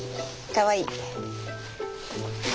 かわいい。